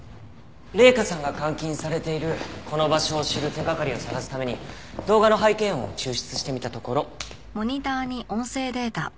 麗華さんが監禁されているこの場所を知る手掛かりを探すために動画の背景音を抽出してみたところ。